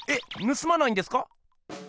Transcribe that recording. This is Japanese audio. ぬすまないんですか？